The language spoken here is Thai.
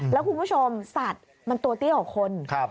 แล้วคุณผู้ชมสัตว์มันตัวเตี้ยกว่าคน